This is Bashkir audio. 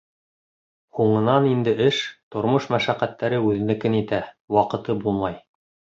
Һуңынан инде эш, тормош мәшәҡәттәре үҙенекен итә — ваҡыты булмай.